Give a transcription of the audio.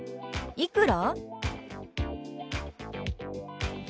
「いくら？」。